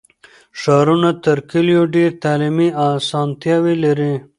ښارونه تر کلیو ډېر تعلیمي اسانتیاوې لري.